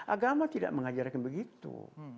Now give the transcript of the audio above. agama tidak mengajarkan begitu